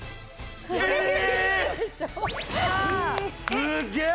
すっげえ！